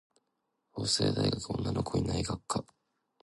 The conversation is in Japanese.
法政大学女の子いない学科